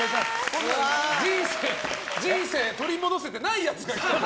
人生取り戻せてないやつが来てる。